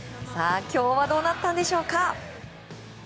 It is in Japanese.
今日はどうだったんでしょうか。